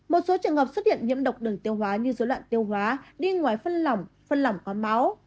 một số trường hợp xuất hiện nhiễm độc đường tiêu hóa như dối loạn tiêu hóa đi ngoài phân lỏng phân lỏng có máu